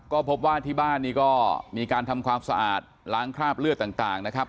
ก็พบว่าที่บ้านนี้ก็มีการทำความสะอาดล้างคราบเลือดต่างนะครับ